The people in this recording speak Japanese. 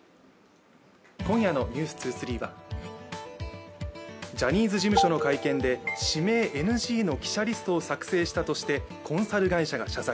今夜の「ｎｅｗｓ２３」はジャニーズ事務所の会見で指名ＮＧの記者リストを作成したとしてコンサル会社が謝罪。